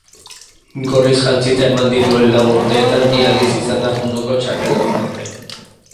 Gorriz jantzita eman dituen lau urteetan bi aldiz izan da munduko txapeldunorde.